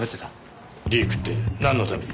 リークってなんのために？